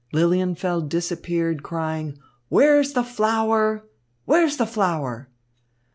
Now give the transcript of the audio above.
Lilienfeld disappeared, crying "Where's the flower? Where's the flower?"